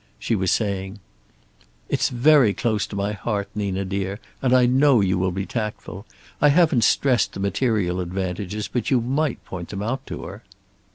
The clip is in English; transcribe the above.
She was saying: "It's very close to my heart, Nina dear, and I know you will be tactful. I haven't stressed the material advantages, but you might point them out to her."